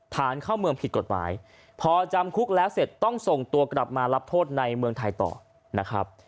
ฐานเข้าเมืองผิดกฎหมายพอจำคุกแล้วเสร็จต้องส่งตัวกลับมารับโทษในเมืองไทยต่อนะครับ